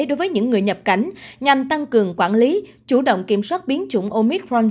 đối với những người nhập cảnh nhằm tăng cường quản lý chủ động kiểm soát biến chủng omicron